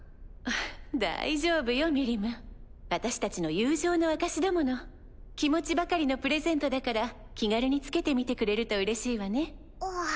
大丈夫よミリム私たちの友情の証しだ気持ちばかりのプレゼントだから気軽に着けてみてくれるとうれしいわね